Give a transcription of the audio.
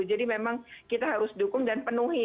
jadi memang kita harus dukung dan penuhi